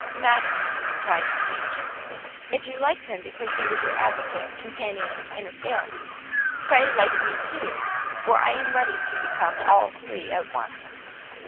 "Madam," cried the same gentleman, "if you liked him because he was your advocate, companion, and assistant, pray like me too, for I am ready to become all three at once."